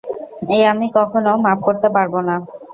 এ আমি কখনো মাপ করতে পারব না।